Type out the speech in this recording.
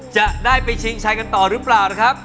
จะได้ไปชิงชัยกันต่อหรือเปล่านะครับ